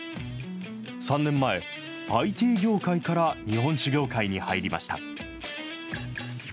３年前、ＩＴ業界から日本酒業界に入りました。